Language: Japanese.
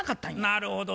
なるほど。